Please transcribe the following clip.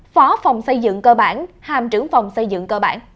phó phòng xây dựng cơ bản hàm trưởng phòng xây dựng cơ bản